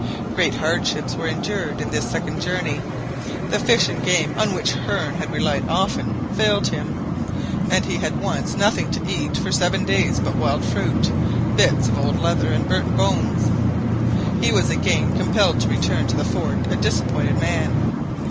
Great hardships were endured in this second journey. The fish and game on which Hearne had relied often failed him; and he had once nothing to eat for seven days but wild fruit, bits of old leather, and burnt bones. He was again compelled to return to the fort a disappointed man.